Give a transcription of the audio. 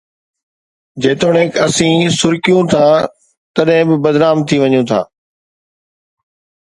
جيتوڻيڪ اسين سُرڪيون ٿا، تڏهن به بدنام ٿي وڃون ٿا.